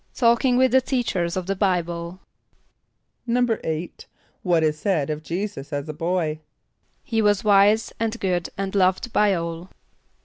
=Talking with the teachers of the Bible.= =8.= What is said of J[=e]´[s+]us as a boy? =He was wise, and good, and loved by all.